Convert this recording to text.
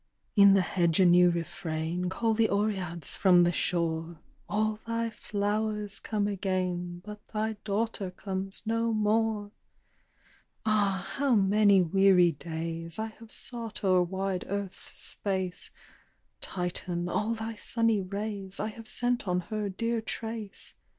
In the hedge a new refrain; Call the Oreads from the shore, "All thy flowers come again, But thy daughter comes no more." Ah, how many weary days I have sought o'er wide earth's space. Titan, all thy sunny rays I have sent on her dear trace.